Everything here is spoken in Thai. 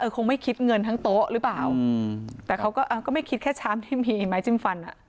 คงไม่คิดเงินทั้งโต๊ะหรือเปล่าแต่เขาก็ไม่คิดแค่ชามที่มีไม้จิ้มฟันอ่ะ